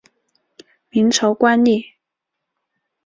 明朝官吏。